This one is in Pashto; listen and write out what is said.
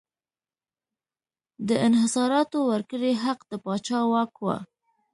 د انحصاراتو ورکړې حق د پاچا واک و.